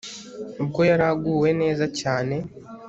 ubwo yari aguwe neza cyane